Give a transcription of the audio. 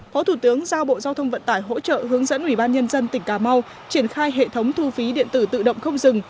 phó thủ tướng giao bộ giao thông vận tải hỗ trợ hướng dẫn ủy ban nhân dân tỉnh cà mau triển khai hệ thống thu phí điện tử tự động không dừng